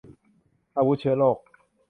อาวุธเชื้อโรค